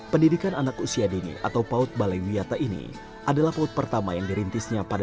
pendidikan anak usia dini atau paut balaiwiata ini adalah paut pertama yang dirintisnya pada